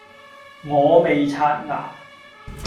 我未刷牙